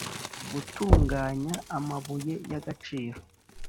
gutunganya amabuye y agaciro